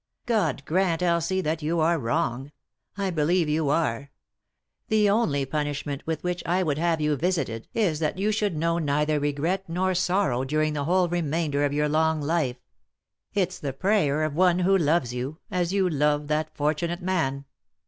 " God grant, Elsie, that you are wrong ; I believe you are. The only punishment with which I would have you visited is that you should know neither regret nor sorrow during the whole remainder of your 303 3i 9 iii^d by Google THE INTERRUPTED KISS long life. It's the prayer of one who loves you — as you lore that fortunate man.